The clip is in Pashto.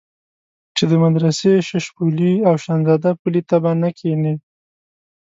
چې د مدرسې ششپولي او شانزدا پلي ته به نه کېنې.